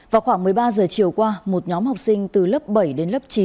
vào khoảng một mươi ba giờ chiều qua một nhóm học sinh từ lớp bảy đến lớp chín